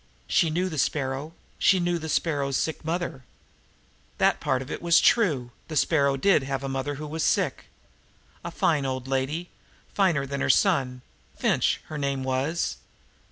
She knew the Sparrow; she knew the Sparrow's sick mother. That part of it was true. The Sparrow did have an old mother who was sick. A fine old lady finer than the son Finch, her name was.